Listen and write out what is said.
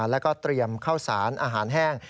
แล้วก็เตรียมข้าวสารอาหารแห้ง